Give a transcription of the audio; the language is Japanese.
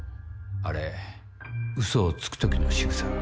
あれウソをつく時のしぐさ。